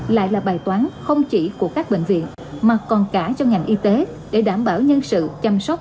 lại là bài toán không chỉ của các bệnh viện mà còn cả cho ngành y tế để đảm bảo nhân sự chăm sóc